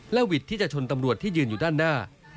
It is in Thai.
หวิดที่จะชนตำรวจที่ยืนอยู่ด้านหน้า